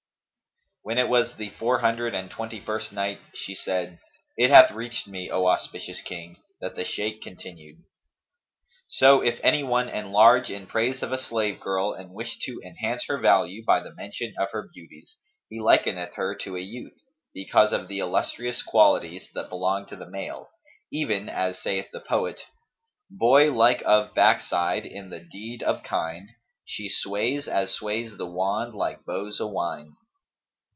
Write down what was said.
When it was the Four Hundred and Twenty first Night, She said, It hath reached me, O auspicious King, that the Shaykh continued, "'So if any one enlarge in praise of a slave girl and wish to enhance her value by the mention of her beauties, he likeneth her to a youth, because of the illustrious qualities that belong to the male, even as saith the poet, 'Boy like of backside, in the deed of kind, * She sways, as sways the wand like boughs a wind.'